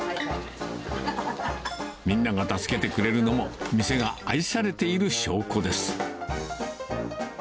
みんなが助けてくれるのも、店が愛されている証拠です。